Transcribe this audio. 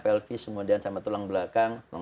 pelfie kemudian sama tulang belakang